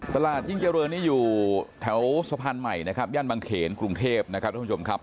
ตลาดยิ่งเจริญนี่อยู่แถวสะพานใหม่นะครับย่านบางเขนกรุงเทพนะครับท่านผู้ชมครับ